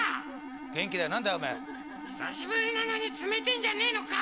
久しぶりなのに冷てえんじゃねえのか？